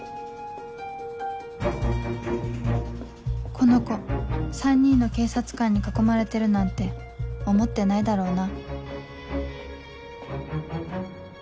この子３人の警察官に囲まれてるなんて思ってないだろうな